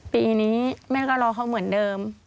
ปีนี้แม่ก็รอเขาเหมือนเดิม